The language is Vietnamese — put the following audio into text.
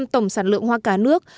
năm mươi tổng sản lượng hoa cả nước